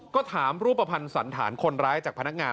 ก็ถามรูปภัณฑ์สันฐานคนร้ายจากพนักงาน